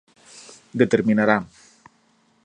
determinará